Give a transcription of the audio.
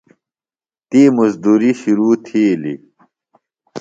تی مُزدُری شِرو تِھیلیۡ۔